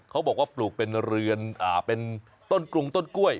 เขาบอกว่าปลูกเป็นเรือนเป็นต้นกรุงต้นกล้วย